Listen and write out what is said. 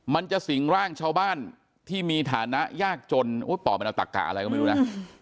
มันจะสิงร่างชาวบ้านที่มีฐานะยากจนป่อมันเอาตักกะอะไรก็ไม่รู้นะ